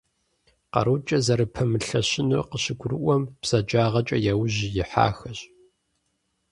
Къарукӏэ зэрыпэмылъэщынур къащыгурыӏуэм, бзаджагъэкӏэ яужь ихьахэщ.